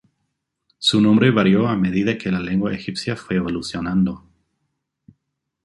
Su nombre varió a medida que la lengua egipcia fue evolucionando.